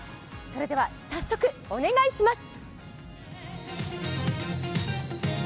それでは、早速お願いします。